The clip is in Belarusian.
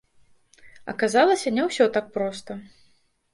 Аказалася не ўсё так проста.